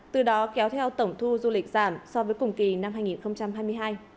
từ đó kéo theo tổng thu du lịch giảm so với cùng kỳ năm hai nghìn hai mươi hai